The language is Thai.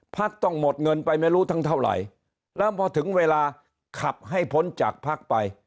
ต้องหมดเงินไปไม่รู้ทั้งเท่าไหร่แล้วพอถึงเวลาขับให้พ้นจากพักไป